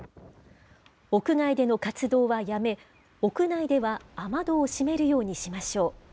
屋外での活動はやめ、屋内では雨戸を閉めるようにしましょう。